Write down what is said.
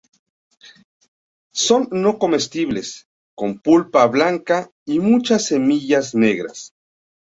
Son no comestibles, con pulpa blanca y muchas semillas negras.